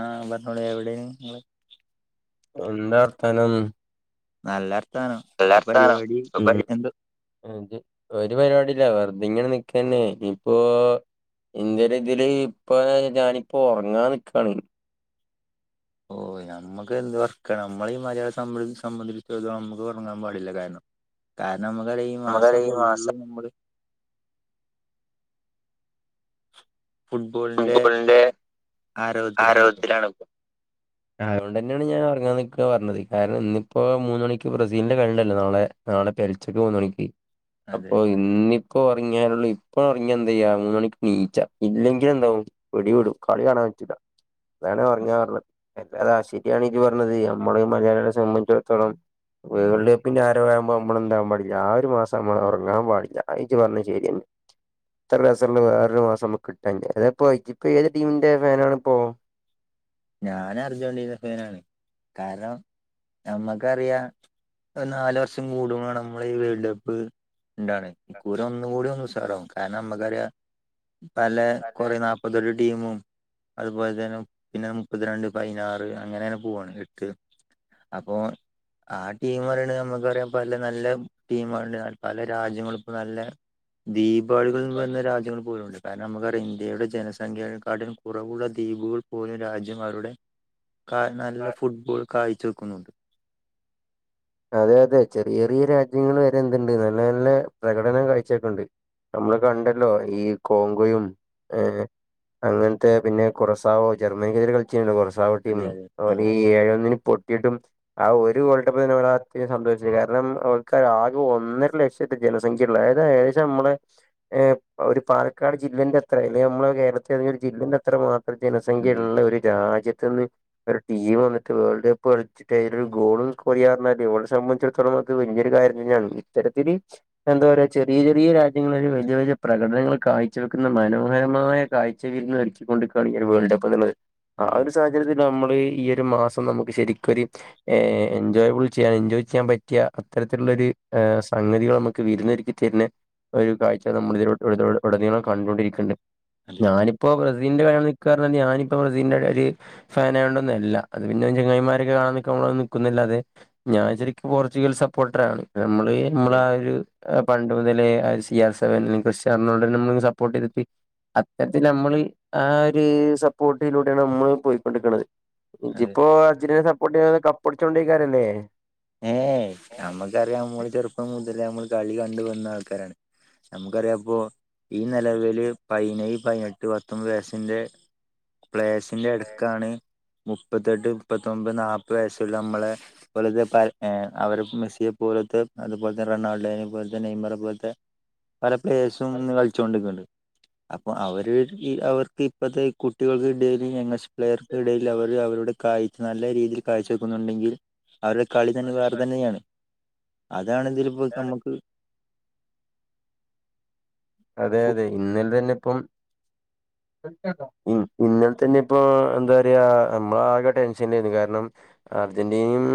ആ പറഞ്ഞോളിൻ എവിടെയാ ഇങ്ങള് എന്താ വർത്താനം നല്ല വർത്താനം ഇപ്പൊ വർത്താനം പരിപാടി സുഖല്ലേ എന്തോ ഒരു പരിപാടി ഇല്ല വെറുതെ ഇങ്ങനെ നിക്കുക തന്നെ ഇനിയിപ്പോ എന്റെരെതില് ഇപ്പ ഞാനിപ്പോ ഉറങ്ങാൻ നിക്കയാണ് ഓ നമ്മുക്ക് എന്ത് വർക്ക്‌ നമ്മള് ഈ മലയയെ സംബന്ധി സംബന്ധിച്ചിടത്തോളം നമുക്ക് ഉറങ്ങാൻ പാടില്ല കാരണം കാരണം നമുക്കറിയാം ഈ മാസം നമുക്കറിയാം ഈ മാസം ഫുള്ളും നമ്മള് ഫുട്ബോളിന്റെ ആരവത്തിലാണ് ഇപ്പോ ആരവത്തിലാണിപ്പം അതുകൊണ്ട് തന്നെയാണ് ഞാൻ [unintelligible] [unintelligible] പറഞ്ഞത് കാരണം ഇന്നിപ്പോ മൂന്ന് മണിക്ക് ബ്രസീലിന്റെ കളിണ്ടല്ലോ നാളെ നാളെ പെൽച്ചക്ക് മൂന്ന് മണിക്ക് അതെ അപ്പൊ ഇന്നി ഇപ്പൊ ഉറങ്ങിയാലേ ഉള്ളു ഇപ്പൊ ഇറങ്ങിയാ എന്ത് ചെയ്യാ മൂന്ന് മണിക്ക് എണീക്കാ ഇല്ലെങ്കിൽ എന്താവും പിടി വിടും കളി കാണാൻ പറ്റില്ല അതാണ് ഒറങ്ങാന്നു പറഞ്ഞത് ടാ ശരിയാണ് ജി പറഞ്ഞത് നമ്മള് മലയാളികളെ സംബന്ധിച്ചിടത്തോളം വേൾഡ് കപ്പിന്റെ ആരവം ആകുമ്പോ നമ്മള് എന്താവാൻ പാടില്ല ആ ഒരു മാസം നമ്മൾ ഉറങ്ങാൻ പാടില്ല അത് ഇജ്ജ് പറഞ്ഞത് ശരി തന്നെ ഇത്ര രസവുള്ള വേറൊരു മാസം നമുക്ക് കിട്ടാനില്ല ഇതിപ്പോ ഇപ്പ ഏത് ടീമിന്റെ ഫാനാണ് പ്പോ ഞാൻ അർജന്റീനാ ഫാനാണ് കാരണം നമ്മക്കറിയാം നാല് വർഷം കൂടുമ്പോഴാണ് നമ്മള് ഈ വേൾഡ് കപ്പ് ഇണ്ടാണ് ഈ കുറി ഒന്നും കൂടി ഒന്ന് ഉഷാറാവും കാരണം നമ്മക്കറിയാം പല കുറെ നാൽപതെട്ട് ടീമും അതുപോലെ തന്നെ പിന്നെ മുപ്പത്തിരണ്ട് പതിനാറ് അങ്ങനെണ് പോവാണ് എട്ട് അപ്പോ ആ ടീം പറയെണങ്കിൽ നമുക്കറിയാം പല നല്ല ടീമുണ്ട് പല രാജ്യങ്ങളിപ്പോ നല്ലേ ദീപാളികൾ വന്ന രാജ്യങ്ങൾ പോലും ഉണ്ട് കാരണം നമുക്കറിയാം ഇന്ത്യയുടെ ജനസംഖ്യയെ കാട്ടിലും കുറവുള്ള ദ്വീപുകൾ പോലും രാജ്യം അവരുടെ കാ നല്ല ഫുട്ബോൾ കാഴ്ച വെക്കുന്നുണ്ട് അതെ അതെ ചെറിയ ചെറിയ രാജ്യങ്ങൾ വരെ എന്തുണ്ട് നല്ല നല്ല പ്രകടനം കാഴ്ച വക്കണുണ്ട് നമ്മള് കണ്ടല്ലോ ഈ കോങ്കോയും ഏ അങ്ങനത്തെ പിന്നെ കുറസാവോ ജർമ്മനിക്കെതിരെ കളിച്ചിട്ടുണ്ടോ കൊറ അവരുടെ അതെ ടീമേ അതെ ഉം അവര് ഈ എഴേ ഒന്നിന് പൊട്ടിയിട്ടും ആ ഒരു ഗോൾഡ് കപ്പ് [unintelligible] അതൊക്കെയാ സംഭവിച്ചത് കാരണം അവർക്ക് ആകെ ഒന്നര ലക്ഷത്തെ ജനസംഖ്യ ഉള്ളത് അതായത് ഏകദേശം നമ്മള് ഏ ഒരു പാലക്കാട് ജില്ലേന്റെ അത്രേ അല്ലെ നമ്മള് കേരളത്തിലുള്ള ഒരു ജില്ലന്റെ അത്ര മാത്രം ഇത്രേം ജനസംഖ്യ അതെ അതെ ഉള്ള ഒരു രാജ്യത്ത് [unintelligible] ഒരു ടീം വന്നിട്ട് വേൾഡ് കപ്പ് കളിച്ചിട്ട് അതിലൊരു ഗോളും [unintelligible] ഓലെ സംബന്ധിച്ചടത്തോളം അത് വലിയൊരു കാര്യം തന്നെയാണ്. ഇത്തരത്തില് എന്താ പറയാ ചെറിയ ചെറിയ രാജ്യങ്ങളൊരു വലിയ വലിയ പ്രകടനങ്ങൾ കാഴ്ച വെക്കുന്ന മനോഹരമായ കാഴ്ചവീര്ന്നൊരുക്കിക്കൊണ്ടിര്ക്കാണ് ഈ വേൾഡ് കപ്പ് ന്നുള്ളത് ആ ഒരു സാഹചര്യത്തിൽ നമ്മള് ഈ ഒരു മാസം നമുക്ക് ശരിക്കൊരു എൻജോയബിൾ ചെയ്യാൻ എൻജോയ് ചെയ്യാൻ പറ്റിയ അത്തരത്തിലൊരു സംഘതികൾ നമുക്ക് വിരുന്നൊക്കി തര്ണെ ഒരു കാഴ്ച നമ്മുടെ ഇതിലട ഉടനീളം കണ്ടൊണ്ടിരിക്ക്ണ്ട് അതെ ഞാനിപ്പോ ബ്രസീ സിൻ്റെ കളി കാണാൻ നിക്കാന്ന് പറഞ്ഞാല് ഞാനിപ്പ ബ്രസീൽന്റെ ഒരു ഫാനായോണ്ടന്നല്ല അത് പിന്നെ ചങ്ങൈമാരക്കെ കാണാ നിക്കുമ്പോ നിക്കും ന്നല്ലാതെ ഞാൻ അതെ ശരിക്കും പോർച്ചുഗൽ സപ്പോർട്ടറാണ് നമ്മള് നമ്മള അതെ ആ ഒരു പണ്ട് മുതലേ സി ആർ സെവൻ അല്ലെ ക്രിസ്ത്യനോ റൊണാൾഡനെ നമ്മൾങ്ങനെ സപ്പോർട്ട് ചെയ്തിട്ട് അത്തരത്തിൽ നമ്മൾ ആ ഒരു സപ്പോർട്ടിലൂടെയാണ് നമ്മള് പോയിക്കൊണ്ടിക്ക്ണത് അതെ ഇജിപ്പോ അർജൻ്റിനെ സപ്പോർട്ട് ചെയ്യണത് കപ്പടിച്ചോണ്ടിക്കാരല്ലേ ഏ നമ്മക്കറിയാം നമ്മള് ചെറുപ്പം മുതലെ നമ്മൾ കളി കണ്ട് വന്ന ആൾക്കാരാണ്. നമുക്കറിയാം ഇപ്പോ ഈ നിലവില് പയിനേയ് പതിനെട്ട് പത്തൊമ്പത് വയസിന്റെ പ്ലയേസിന്റെ -ടുക്കാണ് മുപ്പത്തെട്ട് മുപ്പത്തൊമ്പത് നാല്പ്പത് വയസുള്ള നമ്മളെ ഏ അവർപ്പോ മെസ്സിയെ പോലത്തെ അതുപോലെ തന്നെ റൊണാൾഡോനെ പോലെ തന്നെ നെയ്മറ പോലത്തെ പല പ്ലയേസും ന്ന് കളിച്ചുകൊണ്ടിക്ക്ണ്ട് അപ്പൊ അവര് അവർക്ക് ഇപ്പത്തെ കുട്ടികൾക്കെ ടീൽ യങ്ങസ്റ്റ് പ്ലെയർക്കിടയിൽ അവര് അവരുടെ കാഴ്ച നല്ല രീതിയിൽ കാഴ്ച വെക്കുന്നുണ്ടെങ്കിൽ അവരെ കളി തന്നെ വേറെ തന്നെയാണ്. അതാണെങ്കിലിപ്പോ നമ്മക്ക് അതെ അതെ ഇന്നലെ തന്നെ ഇപ്പം ഇന്നെത്തെ ണ്ടോ? ഇന്നൽത്തന്നെപ്പോ എന്താ പറയാ നമ്മള ആകെ ടെൻഷൻലായിരുന്നു കാരണം അർജന്റീനയും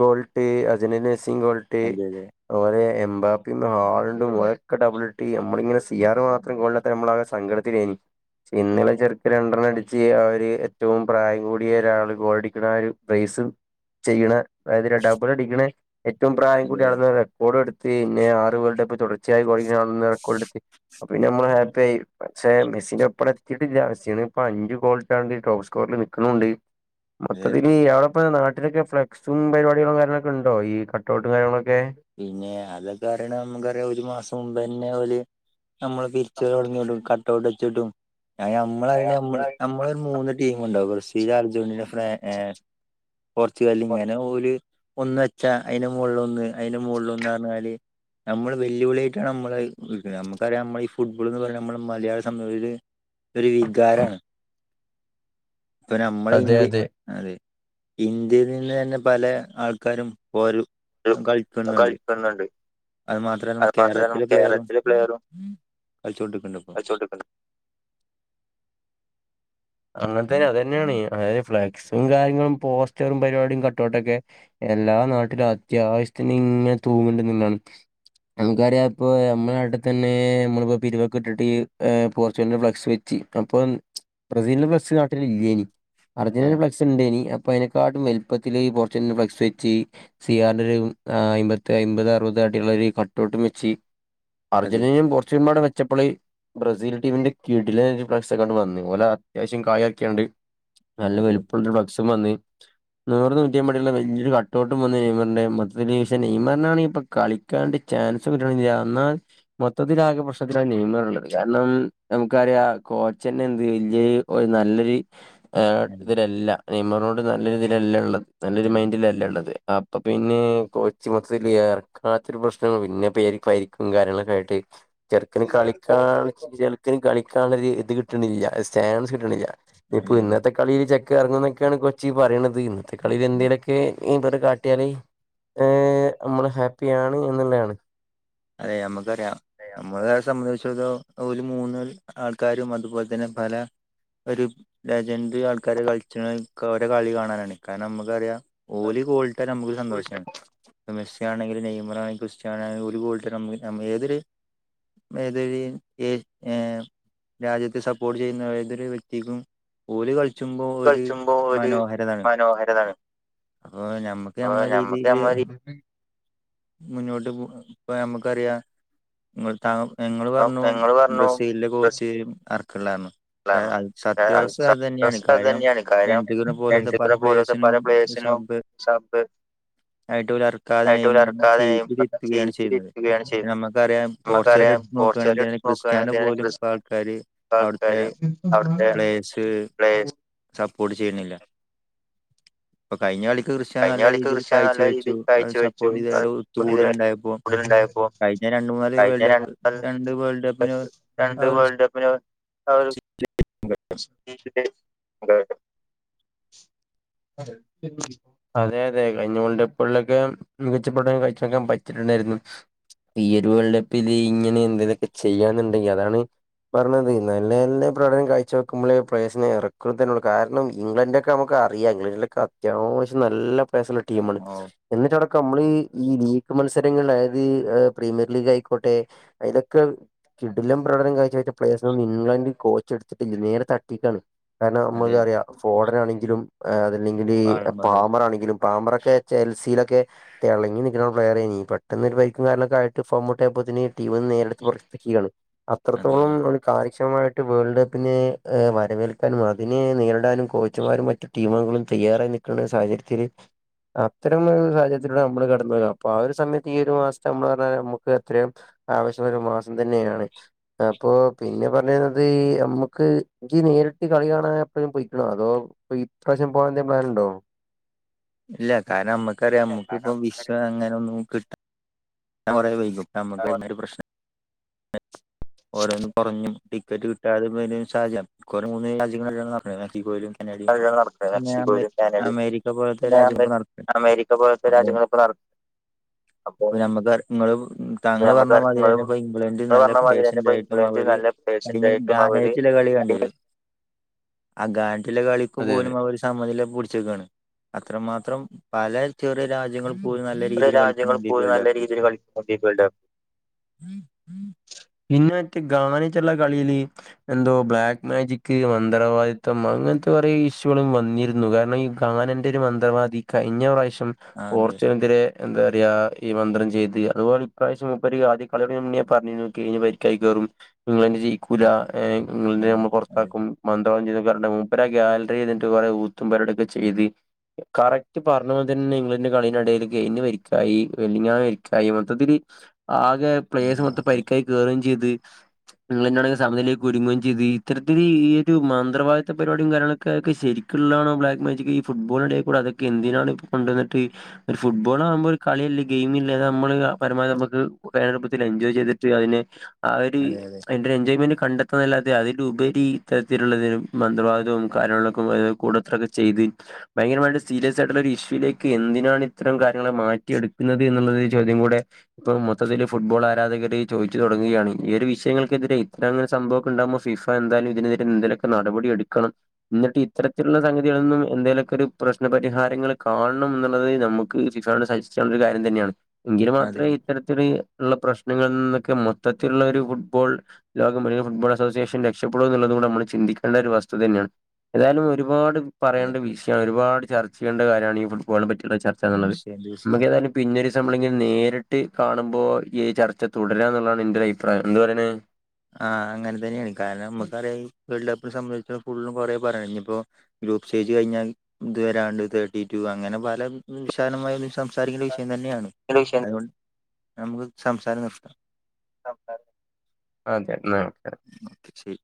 ഗോൾട്ട് അർജന്റീന സ്സിം ഗോള്ട്ട് അതെ അതെ അതുപോലെ എംബാപ്പിം ഹാളണ്ടും ഓലൊക്കെ ഡബിൾട്ട് ഞമ്മളിങ്ങനെ സ് സി ആറ് മാത്രം ഗോള്ടാത്ത നമ്മള ആ കെ സങ്കടത്തിലേനി പക്ഷ ഇന്നലെ ചെറുക്കൻ രണ്ടെണ്ണം അടിച്ച് അവര് ഏറ്റവും പ്രായം കൂടിയ ഒരാൾ ഗോൾടിക്കുന്ന ഒരു ബ്രൈസ്- സ് ചെയ്യണ അതായത് ഡബിൾ അടിക്ക ഏറ്റവും പ്രായം അതെ കൂടിയ ആൾ ന്ന റെക്കോർഡും ടെത്ത് പിന്നെ ആറ് വേൾഡ്പ്പ് തുടർച്ചായി ഗോളടിക്ക്ണന്ന റെക്കോർഡെടുത്തി അപ്പ പിന്ന നമ്മള് ഹാപ്പി ആയി. പക്ഷെ മെസ്സിൻ്റെപ്പടെ എത്തിട്ടില്ല. മെസ്സ്യാണ് അഞ്ച് ഗോള്ട്ടാണ്ട് ടോപ്സ്കോ നിക്ക്ണൂണ്ട് അതെ മൊത്തത്തില് അവിടെപ്പോ നാട്ടിലൊക്കെ ഫ്ലക്സും പരിപാട്യാളും കാര്യങ്ങളൊക്കെ ഉണ്ടോ ഈ കട്ട്ഔട്ടും കാര്യങ്ങളൊക്കെ പിന്നെ അതൊക്കെ അറിയണം നമുക്കറിയാം ഒരു മാസം മുമ്പന്നെ ഒരു നമ്മള് പിരിച്ചലൊട്ങ്ങീട്ടും കട്ടൗട്ടെച്ചിട്ടും അയ്ന നമ്മളറിണ നമ്മ്- നമ്മളൊരു മൂന്ന് ടീമുണ്ടാവും ബ്രസീൽ അർജന്റീന ഫാ ഇ ഹ പോർച്ചുഗലിങ്ങനെ ഓല് ഒന്ന് വെച്ച അതിന്റെ മുകളിൽ ഒന്ന് അതിന്റെ മോള്ലൊന്ന് -റഞ്ഞാല് നമ്മള് വെല്ലുവിളിയായിട്ടാണ് നമ്മള് ട്ക്ക്ണ്. നമ്മക്കറിയാ നമ്മൾ ഈ ഫുട്ബോൾ ന്ന് പറഞത് നമ്മള് മലയാളി സംബന്ധിച്ച് ഒരു വികാരാണ് [inaudible] ഇപ്പൊ അതെ നമ്മളെന്ത്യ- അതെ അതെ ഇന്ത്യയിൽ നിന്ന് തന്നെ പല ആൾക്കാരും ഒരു കൾ കളിക്ക്ന്ന്ണ്ട് അത് മാത്രല്ല - കേരളത്തിലെ പ്ലെയറും പ്ലെയറും കളിച്ചോണ്ടിക്ക്ണ്ട്പ്പൊ വെച്ചോണ്ടിരിക്കുന്നത് [inaudible] അങ്ങൻതന്നെ അതന്നെയാണ് അതായത് ഫ്ല് ക്സും കാര്യങ്ങളും പോസ്റ്ററും പരിപാടിയും കട്ടൗട്ടൊക്കെ എല്ലാ നാട്ടിലും അത്യാവശ്യത്തിനിങ്ങന തൂങ്ങ്ണ്ട്ന്നാണ് നമുക്കറിയാം ഇപ്പ നമ്മുടെ നാട്ട്തന്നെ നമ്മളിപ്പോ പിരിവൊക്കെ ഇട്ടിട്ട് പോർച്ചുഗലിന്റെ ഫ്ലക്സ് വെച്ച് അപ്പൊ ബ്രസീലന്റെ ഫ്ലക്സ് നാട്ടിലില്ല്യേനി അർജന്റീന ആഹ് ഫ്ലക്സ് ഉണ്ടേനി പ്പയ്നക്കാട്ടും വെൽപത്തില് പോർച്ച് കൽൻ്റെ ഫ്ലക്സ് വച്ച് സി ആർ ൻ്റൊരു അയ്മ്പത്ത അയ്മ്പത് അറുപത് കാട്ടിള്ളൊരു കട്ടൗട്ടും വെച്ച് അതെ അർജന്റീനയും പോർച്ചുഗലുംപാടെ ച്ചപ്പള് ബ്രസീൽ ടീമിന്റെ കിഡിലെനായ്റ്റ് ഇപ്രവാശ്യകണ്ട് വന്ന്. ഓലെ അത്യാവശ്യം കായാക്ക്യാണ്ട് നല്ല അതെ വലിപ്പുള്ള ഫ്ലക്സും വന്ന് നൂറ് നൂറ്റയ്മ്പടിള്ള വലിയൊരു കട്ടോട്ടും വന്ന നെയ്മറിന്റെ മൊത്തത്തില് ക്ഷേ നെയ്മർനാണെങ്കി ഇപ്പ കളിക്കാണ്ട് ചെ ചാൻസ് കിട്ടിണില്ല അന്ന് മൊത്തത്തിലാകെ പ്രശ്നത്തിലാണ് നെയമറ്ള്ളത് കാരണം നമുക്കറിയ കോ കോച്ചന്നെ എന്ത് വല്യ ഓര് നല്ലൊരു എഹ് അതെ ഇതിലല്ല, നെയ്മറോട് നല്ലൊരു ഇതിലല്ല ഉള്ളത് നല്ലൊരു അതെ മൈൻഡിലല്ല ഉള്ളത് അപ്പൊ പിന്നെ കൊച്ച് മൊത്തത്തിൽ ഇറക്കാത്തൊരു പ്രശ്നം പിന്നെ പേരിന് പരിക്കും കാര്യങ്ങളൊക്കായിട്ട് ചെറുക്കന് കളിക്കാൻ ചെറുക്കന് കളിക്കാനുള്ള ഇത് കിട്ടണില്ല ചാൻസ് ഇപ്പൊ അതെ അതെ ഇന്നത്തെ കളിയില് ചെക്കാ എറങ്ങും എന്നൊക്കെയാണ് കൊച്ച് പറയണത് ഇന്നത്തെ കളിൽ എന്തേലൊക്കെ ഈ ബല് കാട്ടിയാല് ഹ്ഹ്ഹ് നമ്മള് ഹാപ്പിയണ് എന്നുളയാണ് അതെ നമുക്കറിയാ നമ്മള സംബന്ധിചാടത്തോളം ഓൽ മൂന്ന് ആൾക്കാരും അതുപോലെ തന്നെ പല ഒരു ലജന്റ് ആൾക്കാരെ കളിച്ച്ണ് ഓരെ കളി കാണാനാണ് കാരണം നമുക്കറിയാ ഓൽ കോളിട്ടാൽ നമ്മുക്കൊരു സന്തോഷാണ് ഇപ്പ മെസി ആണെങ്കിലും നെയ്മാറാണെക്കിലും ക്രിസ്ത്യാനണങ്കിലും ഓല് ഗോള്ട്ടാ - പ്പോ ഞമ്മൾ ഞമ്മളെതൊരു ഏതൊരു കളിമ് ഇട്തേയ്‌ഞ്ഞാലും രാജ്യത്തെ സപ്പോർട്ട് ചെയ്യുന്ന ഏതൊരു വ്യക്തിക്കും ഓൽ കളിച്ച് കൾചുമ്പോ ഒരു കളിച്ചുമ്പോ ഒരു മനോഹരതാണ്. മനോഹരതാണ് ആ നമ്മക്ക് അപ്പൊ നമ്മളെ ഞമ്മക്ക് രീതിയില് ഞമ്മളെ രീതി മുന്നോട്ട് പോയപ്പോ നമുക്കറിയാ മ്മള് താ ഞങ്ങൾ പറഞ്ഞു നിങ്ങള് ബ്രസീലെ കോച്ച് അർക്കില്ലന്ന് [unintelligible] കാര്യം [unintelligible] രണ്ടിഗിനെ പോലത്തെ പല പ്ലേയേഴ്സിനും സബ് ആയിട്ട് ഓല് ഇറക്കാതെ നെയ്മറിനെ സീറ്റിൽ ഇരുത്തുകയാണ് ചെയ്യുന്നത് കിട്ടുകയാണ് ചെയ്തത് നമുക്കറിയാം പോർച്ചുഗൽ നമുക്കറിയാം എടുത്ത് പോർച്ചുഗല് നോക്കുകയാണെങ്കി ക്രിസ്ത്യാനോ നോക്കുആണെങ്കിൽ പോലും ഇപ്പ ക്രിസ്ത്യനോ ആൾക്കാര് അവിടുത്തെ [unintelligible] സപ്പോർട് ചെയ്ണില്ല പ്പോ കഴിഞ്ഞ കളിക്ക് ക്രിഷ്ശനോ കഴിഞ്ഞ നല്ല കളിക്ക് രീതിയിൽ ക്രിസ്റ്റ്യാനോ കഴ്ച്ച നല്ല വെച്ചു രീതിയിൽ ഹ് കാഴ്ചവെച്ചു സപ്പോർട്ട് ചെയ്താരെ നല്ല ഒത്തുകൂടലുണ്ടായപ്പോ കൂടുതലുണ്ടായപ്പോ കഴിഞ്ഞ രണ്ട് മൂന്നാല് വേൾഡ് കപ്പ്, രണ്ട് വേൾഡ് കപ്പിന് ആ ഒരു ഒരു [unintelligible] എന്താ കേട്ടേ? അതെ അതെ കഴിഞ്ഞ വേൾഡ് കപ്പാൾലൊക്കെ മികച്ച പ്രകടനം കഴിച്ചക്കാൻ പറ്റിട്ടുണ്ടായിരുന്നു ഈ ഒരു വേൾഡ് കപ്പില് ഇങ്ങനെ എന്തേതൊക്കെ ചെയ്യാന്നുണ്ടെങ്കിൽ അതാണ് പറഞ്ഞത് നല്ല നല്ല പ്രകടനം കാഴ്ച വെക്കുമ്പളെ പ്ലയേസിനെ ഇറക്കൂ തന്നെ ഉള്ളൂ കാരണം ഇംഗ്ലണ്ടൊക്കെ നമുക്ക് അറിയ ഇംഗ്ലണ്ടിലൊക്കെ അത്യാവശ്യം നല്ല പ്ലയേസ്ള്ള ടീമാണ്. ഓ എന്നിട്ടവ് ക്കമ്മള് ഈ ലീഗ് മത്സരങ്ങൾ അതായത് പ്രീമിയർ ലീഗായിക്കോട്ടെ അയ്ലൊക്കെ കിടിലം പ്രകടനം കാഴ്ച്ച പ്ലേഴ്സൊന്നും ഇംഗ്ലണ്ടണ്ട് കോച്ച് എടുത്തിട്ടില്ല നേരത്തെ തട്ടിക്കാണ് കാരണം അതെ നമ്മക്കറിയാം, ഫോടനാണെങ്കിലും അതല്ലെങ്കിൽ പാൾമർ പാമറാണെങ്കിലും പാമറൊക്കെ ചെൽസിലൊക്കെ തെളങ്ങി നിക്കണ പ്ലയറേയിനു. പെട്ടെന്ന് ഒരു പരിക്കും കാര്യങ്ങൊക്കെ ആയ്ട്ട് ഫോമൗട്ടായപ്പോത്തിന് ടീമ നേരെട്ത്ത് പൊർത്തക്ക്യാണ് അതെ അത്രത്തോളം ഒരു കാര്യ ക്ഷമമായിട്ട് വേൾഡ് കപ്പിനെ വരവേൽക്കാനും അതിനെ നേരിടാനും കോച്ചുമാരും മറ്റു ടീമുകളും തയ്യാറായി നിക്കണ സാഹചര്യത്തില് അത്തരം സാഹചര്യത്തിലൂടെ നമ്മള് കടന്ന. അപ്പൊ ആ ഒരു സമയത്ത് ഈ ഒരു മാസത്തെ നമ്മള് പറഞ്ഞാൽ നമുക്കത്രയും ആവേശം ഒരു മാസം തന്നെയാണ്. അപ്പൊ പിന്നെ പറഞ്ഞിരുന്നത് നമ്മക്ക് എനിക്ക് നി നേരിട്ട് കളി കാണാൻ എപ്പോഴും പൊയ്ക്കണോ അതോ ഇ ഇപ്രാവശ്യം പോവാനെന്തേലും പ്ലാൻ ഉണ്ടോ ഇല്ല കാരണം നമ്മക്കറിയാം നമ്മുക്കിപ്പ വിസ അങ്ങനെ ഒന്നും കിട്ട ഞാൻ കുറെേ വൈകും നമ്മക്ക് ഇന്നൊരു പ്രശ്നം ഓരോന്നും പറഞ്ഞും ടിക്കറ്റ് കിട്ടാതെ [unintelligible] മൂന്ന് രാജ്യങ്ങള പോലും മെക്സിക്കോ യിലും കൾ നടക്ക മെക്സിക്കോലും കാനഡയും അമേരിക്ക പോലത്തെ പിന്നെ രാജ്യങ്ങൾ നടക്കുന്നത് അമേരിക്ക പോലത്തെ രാജ്യങ്ങളൊക്കെ നടക്ക ഇപ്പ നമ്മുക്ക് ഇങ്ങൾ താങ്കൾ പറഞ്ഞ നമുക്ക് മാതിരി നിങ്ങള് തന്നെ ഇപ്പ ഇംഗ്ലണ്ട് നിങ്ങള് നല്ല പറഞ്ഞ മാതിരി തന്നെ പ്ലേഴസിന്റെ ഇപ്പോ ആയിട്ടും ഇംഗ്ലണ്ട് അവര് നല്ല പ്ലേയേഴ്സ് കഴിഞ്ഞ ഉണ്ടായിട്ടും അവര് ഗാനേറ്റില കളി കണ്ടരുന്നു അഗാണ്ടിലെ കളക്ക് അതെ പോലും അതെ അവര് സമനില പിടിച്ചെക്കയാണ് അത്രമാത്രം പല ചെറിയ രാജ്യങ്ങളും ഓല് നല്ല രീതിയിൽ രാജ്യങ്ങൾ കളിക്കുന്നുണ്ട് പോലും വേൾഡ് നല്ല കപ്പ് രീതിയിൽ കളിക്കുന്നുണ്ട് ഈ വേൾഡ് കപ്പ് പിന്നെ മറ്റെ ഗാനിച്ചുള്ള കളിയില് എന്തോ ബ്ലാക്ക് മാജിക് മന്ത്രവാദിത്തം അങ്ങനത്തെ കുറെ ഇഷ്യൂകളും വന്നിരുന്നു കാരണംഈ ഗാനൻെ ഒരു മന്ത്രവാദി ഇ കഴിഞ്ഞ പ്രാവശ്യം ആ, അതെ പോർച്ചുഗിലിനെതിരെ എന്താ പറയ ഈ മന്ത്രം ചെയ്ത് അതുപോലെ ഇപ്രാവിശ്യം മുപ്പരി ആദ്യകളി തുടങ്ങുന്നതിന് മുന്നെ പറഞ്ഞിരുന്നു കഴിഞ് പരിക്കായി കയറും ഇംഗ്ലണ്ട് ജയിക്കൂല ആ ഇംഗ്ലണ്ടെനെ നമ്മൾ അതെ പുറത്താക്കും ചെയ്ത് മൂപ്പര് ആ ഗാലറി ഇരുന്നിട്ട് കുറേ ഊത്തും പരുപാടിയൊക്കെ ചെയ്ത് കറക്റ്റ് പറഞ്ഞ പോല തന്നെ ഇംഗ്ലണ്ട് കളിക്കിടയിൽ കെയിനു പരിക്കായി വെല്ലിങ്ങാന് പരിക്കായി മൊത്തത്തില് ആകെ ആ പ്ലേയസ്സ് മൊത്ത് പ- അതെ ക്കാക്കുകയും ചെയ്ത് നിങ്ങൾെന്താണെങ്ക സമനിലയിലേക്ക് ഒരുങ്ങുകയും ചെയ്ത് ഇത്തരത്തില് ഈ ഒരു മന്ത്രവാദി പരിപടും കാര്യങ്ങളൊക്കെ ശരിക്കും ക്കാണോ ബ്ലാക്ക് മാജക് ഈ ഫുട്ബോളിന്റെഒക്കെ കൂടെ അതൊക്കെന്തിനാണ് എന്തിനാണ് കൊണ്ട് വന്നിട്ട് ഒരു ഫുട്ബോൾ ആകുമ്പോ ഒരു കളി- ഗെയിമില്ല അ നമ്മള് പരമാവധി നമുക്ക്ടുപ്പത്തിൽ എൻജോയ് ചെയ്തിട്ട് അതിനെ ആ ഒരു അതെ അതെ അതിന്റെ എൻജോയ്മെന്റ് കണ്ടെത്തുന്നല്ലാതെ അതിലേ ഉപരി ഇത്തരത്തിലുള്ളതിന് മന്ത്രവാദിവും കാര്യങ്ങളൊക്കെ കൂടത്രൊക്കെ ചെയ്ത് ഭയങ്കരമായിട്ട് സീരിയസ് ആയിട്ടുള്ള ഒരു ഇഷ്യൂിലേക്ക് എന്തിനാണ് ഇത്തരം കാര്യങ്ങൾ മാറ്റിയെടുക്കുന്നത് എന്നുള്ളത് കൂടെ ഇപ്പ മൊത്തത്തില് ഫുട്ബോൾ ആരാധകര് ചോദുച്ചു തുടുകയാണ് ഈ ഒരു വിഷയങ്ങൾക്കെതിരെ ഇത്ര അങ്ങനെ സംഭവ ഉണ്ടാകുമ്പോ ഫിഫ എന്തായാലും ഇതിനെതിരെ എന്തങ്കലൊക്കെ നടപടി എടുക്കണം എന്നിട്ട് ഇത്തരത്തിലുള്ള സംഗതികളിൽ നിന്നും എന്തെലുമൊക്കെ ഒരു പ്രശ്നപരിഹാരങ്ങൾ കാണണം എന്നുള്ളത് നമുക്ക് ഫിഫയോട് സജസ്റ്റ് ചെയ്യാനുള്ള കാര്യം തന്നെയാണ് എങ്കിൽ അതെ മാത്രമേ ഇത്തരത്തി ഉള്ള പ്രശ്നങ്ങളിൽ നി- മൊത്തത്തിലുള്ള ഒരു ഫുട്ബോൾ ലോകം ഫുട്ബോൾ അസോസിയേഷൻ രക്ഷപ്പെടൂ എന്നുള്ളൂ നമ്മൾ ചിന്തിക്കേണ്ട ഒരു വ- തുതതന്നെയാണ് ഏതായാലും ഒരുപാട് അതെ പറയണ്ട വിഷയമാണ് ഒരുപാട് ചർച്ച ചെയേണ്ട കാര്യമാണ് ഈ ഫുട്ബോളിനെ പറ്റി ചർച്ച എന്നുള്ളത് തീർച്ചയായും തീർച്ചയായും നമുക്ക് ഏതായാലും പിന്നൊരു ദിവസം നേരിട്ട് കാണുമ്പോൾ ഈ ചർച്ച തു- ടരാം എന്നുള്ളതാണ് എന്റെ അഭിപ്രായം എന്ത് പറയണ് ആഹ് അങ്ങനെ തന്നെയാണ് കാരണം നമുക്ക അറിയാം ഈ വേൾഡ് കപ്പിനെ സംബന്ധിച്ച് ഫുള്ളും കുറെേ പറയ- ഇപ്പോ ഗ്രൂപ്പ് സ്റ്റേജ് കഴിഞ്ഞാൽ ഇത് വരാണ്ട് തേർട്ടിറ്റു അങ്ങനെ പല വിശാലമായ നി- സംസാരിക്കേണ്ട വിഷയം തന്നെയാണ് അതുകൊണ്ട് നമുക്ക് സംസാരം നിർത്താം അതെന്ന അപ്പോ ശരി